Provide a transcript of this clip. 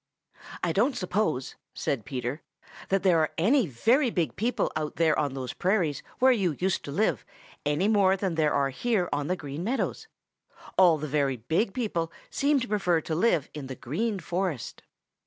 "I don't suppose," said Peter, "that there are any very big people out there on those prairies where you used to live any more than there are here on the Green Meadows. All the very big people seem to prefer to live in the Green Forest."